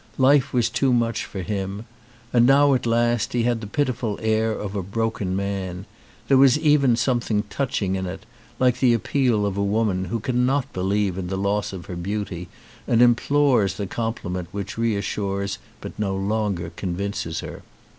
Life was too much for him. And now at last he had the pitiful air of a broken man ; there was even something touching in it, like the appeal of a woman who cannot be lieve in the loss of her beauty and implores the compliment which reassures but no longer con vinces her.